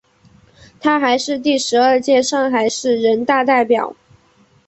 她还是第十二届上海市人大代表。